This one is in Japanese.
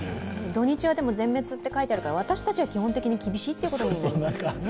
土日は全滅って書いてあるから私たちは基本的に厳しいってことですね。